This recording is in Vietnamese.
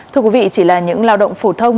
thưa quý vị chỉ là những lao động phổ thông